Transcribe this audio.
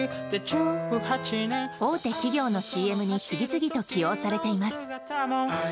大手企業のＣＭに次々と起用されています。